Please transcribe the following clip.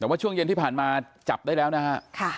แต่ว่าช่วงเย็นที่ผ่านมาจับได้แล้วนะฮะ